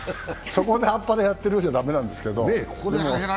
そこであっぱれやってるようじゃ駄目なんですけど。